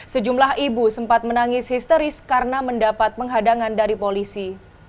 sejumlah ibu sempat menangis histeris karena mendapat penghadangan dari polisi